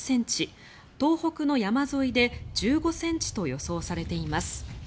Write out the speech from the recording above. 東北の山沿いで１５ｃｍと予想されています。